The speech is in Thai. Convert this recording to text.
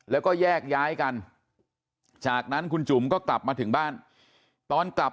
แล้วก็แยกย้ายกันจากนั้นคุณจุ๋มก็กลับมาถึงบ้านตอนกลับ